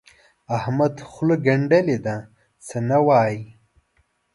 احمد خوله ګنډلې ده؛ څه نه وايي.